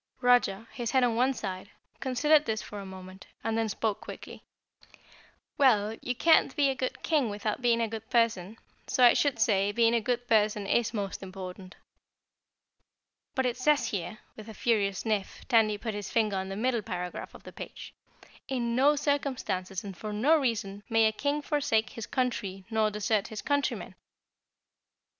Roger, his head on one side, considered this for a moment and then spoke quickly. "Well, you can't be a good King without being a good person, so I should say, being a good person is most important." "But it says here," with a furious sniff Tandy put his finger on the middle paragraph of the page, "'In no circumstances and for no reason may a King forsake his country nor desert his countrymen.'"